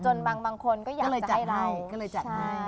จนบางคนก็อยากจะให้เรา